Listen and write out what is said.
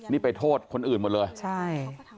นี่ไปโทษคนอื่นหมดเลยใช่